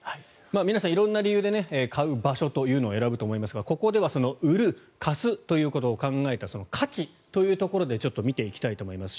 皆さん色んな理由で買う場所というのを選ぶと思いますがここではその売る、貸すということを考えた勝ちというところで見ていきたいと思います。